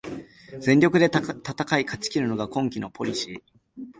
全力で戦い勝ちきるのが今季のポリシー